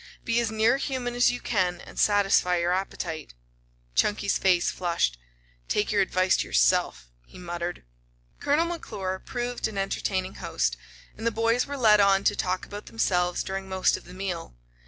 "Be as near human as you can and satisfy your appetite." Chunky's face flushed. "Take your advice to yourself," he muttered. Colonel McClure proved an entertaining host, and the boys were led on to talk about themselves during most of the meal.